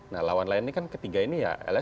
nah lawan lawan ini kan ketiga ini ya